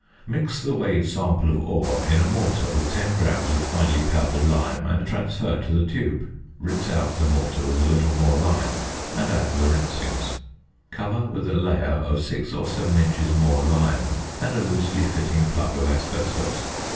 Mix the weighed sample of ore in a mortar with 10 grams of finely powdered lime and transfer to the tube; rinse out the mortar with a little more lime, and add the rinsings. Cover with a layer of six or seven inches more lime and a loosely fitting plug of asbestos.